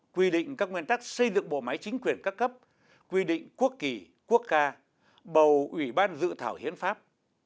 quy định các nguyên tắc xây dựng bộ máy chính quyền các cấp quy định quốc kỳ quốc ca bầu ủy ban dự thảo hiến pháp